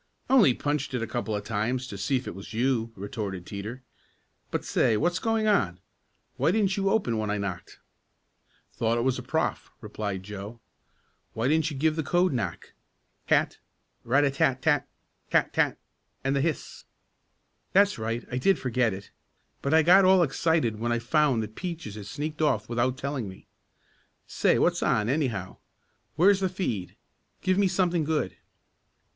"Only punched it a couple of times to see if it was you," retorted Teeter. "But say, what's going on? Why didn't you open when I knocked?" "Thought it was a prof.," replied Joe. "Why didn't you give the code knock. Tat rat a tat tat tat tat and the hiss." "That's right, I did forget it. But I got all excited when I found that Peaches had sneaked off without telling me. Say, what's on, anyhow? Where's the feed? Give me something good."